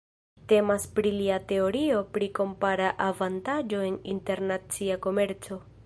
Temas pri lia teorio pri kompara avantaĝo en internacia komerco.